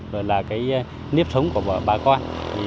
rồi là cái nếp sống của bà con